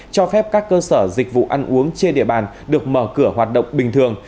cho phép các cơ sở dịch vụ ăn uống trên địa bàn được mở cửa hoạt động bình thường